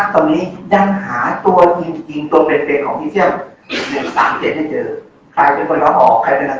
ใครที่เขาเลาะออกใครที่เขาลักทัก